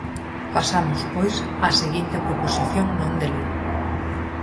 Pasamos, pois, á seguinte proposición non de lei.